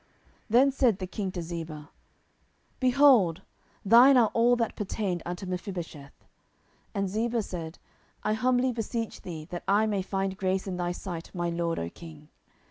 10:016:004 Then said the king to Ziba, Behold, thine are all that pertained unto Mephibosheth. And Ziba said, I humbly beseech thee that I may find grace in thy sight, my lord, O king.